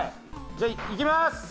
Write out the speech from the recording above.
じゃあ、いきまーす！